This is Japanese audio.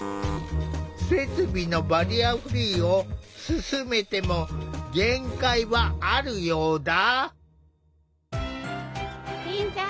設備のバリアフリーを進めても限界はあるようだ。